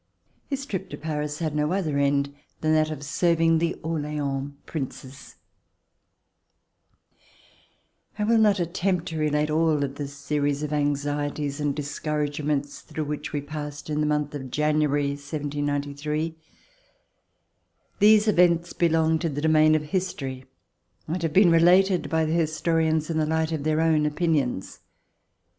His trip to Paris had no other end than that of serving the Orleans Princes. I will not attempt to relate all of the series of [ 139] RECOLLECTIONS OF THE REVOLUTION anxieties and discouragements through which we passed during the month of January, 1793. These events belong to the domain of history and have been related by the historians in the light of their own opinions.